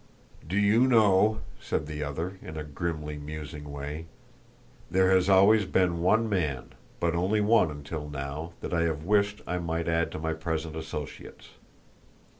"Do you know," said the other, in a grimly musing way, "there has always been one man, but only one until now, that I have wished I might add to my present associates.